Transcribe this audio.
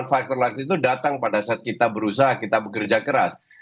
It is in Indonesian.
faktor waktu itu datang pada saat kita berusaha kita bekerja keras